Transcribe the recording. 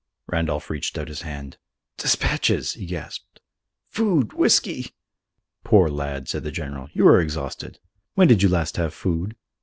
Randolph reached out his hand. "Despatches!" he gasped. "Food, whisky!" "Poor lad," said the General, "you are exhausted. When did you last have food?"